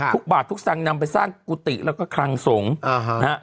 ทุกบาททุกสังนำไปสร้างกุฏิแล้วก็คลังสงฆ์